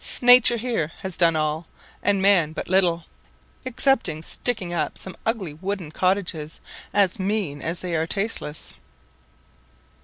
Nature here has done all, and man but little, excepting sticking up some ugly wooden cottages, as mean as they are tasteless.